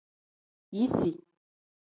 Yisi.